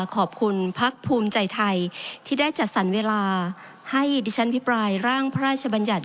ขอบคุณพักภูมิใจไทยที่ได้จัดสรรเวลาให้ดิฉันพิปรายร่างพระราชบัญญัติ